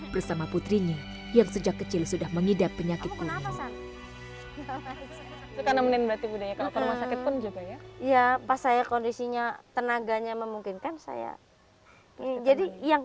bersama putrinya yang sejak kecil sudah mengidap penyakit pernafasan